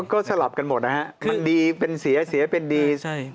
ก็สลับกันหมดนะครับมันดีเป็นเสียเป็นดี